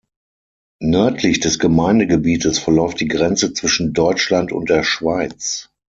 Nördlich des Gemeindegebietes verläuft die Grenze zwischen Deutschland und der Schweiz.